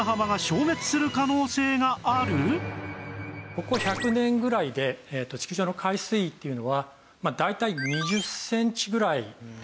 ここ１００年ぐらいで地球上の海水位っていうのは大体２０センチぐらい上がってきたと。